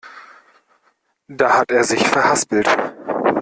Da hat er sich verhaspelt.